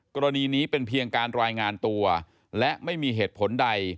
กรณีนี้เป็นเพียงการรายงานตัวและไม่มีเหตุผลใด